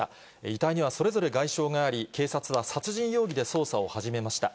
遺体にはそれぞれ外傷があり、警察は殺人容疑で捜査を始めました。